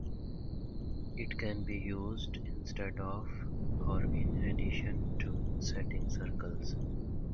It can be used instead of or in addition to setting circles.